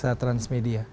atau juga transmedia